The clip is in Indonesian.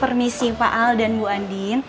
permisi pak al dan bu andin